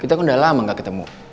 kita kan udah lama gak ketemu